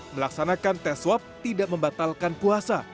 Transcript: melaksanakan tes swab tidak membatalkan puasa